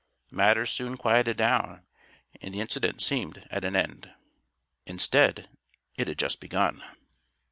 Matters soon quieted down; and the incident seemed at an end. Instead, it had just begun.